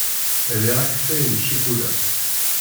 Riɣ akeffay n ccikula.